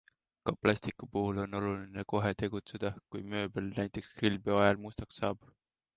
Ka plastiku puhul on oluline kohe tegutseda, kui mööbel näiteks grillpeo ajal mustaks saab.